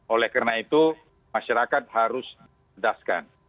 oleh karena itu masyarakat harus tegaskan